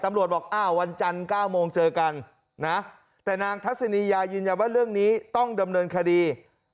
บอกอ้าววันจันทร์๙โมงเจอกันนะแต่นางทัศนียายืนยันว่าเรื่องนี้ต้องดำเนินคดี